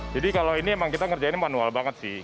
jadi kalau ini memang kita ngerjain manual banget sih